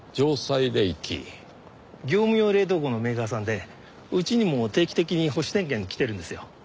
業務用冷凍庫のメーカーさんでうちにも定期的に保守点検に来てるんですよ。